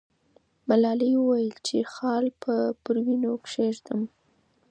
ملالۍ وویل چې خال به پر وینو کښېږدم.